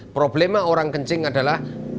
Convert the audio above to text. problema orang kencing adalah